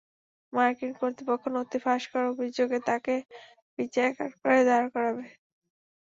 মার্কিন কর্তৃপক্ষ নথি ফাঁস করার অভিযোগে তাঁকে বিচারের কাঠগড়ায় দাঁড় করাবে।